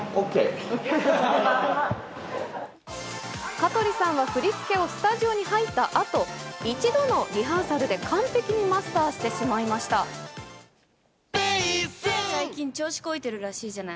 香取さんは振り付けをスタジオに入ったあと、一度のリハーサルで完璧にマスターしてしまいま最近、調子こいてるらしいじゃない。